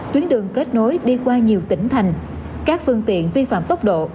tuyến đường kết nối đi qua nhiều tỉnh thành các phương tiện vi phạm tốc độ